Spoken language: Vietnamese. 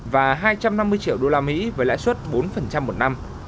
và hai trăm năm mươi triệu usd với lãi suất bốn một năm